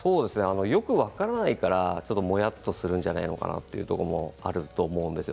よく分からないからモヤっとするんじゃないのかなというところもあると思うんですよ。